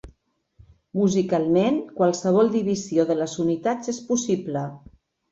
Musicalment, qualsevol divisió de les unitats és possible.